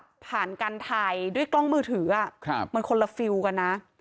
ผ่านการถ่ายด้วยกล้องมือถือมันคนละฟิลกันนะ